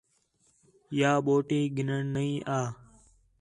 یا بوٹی گِھنّݨ نئی آ